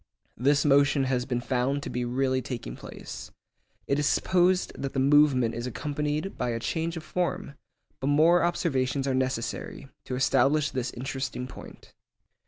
This motion has been found to be really taking place. It is supposed that the movement is accompanied by a change of form, but more observations are necessary to establish this interesting point.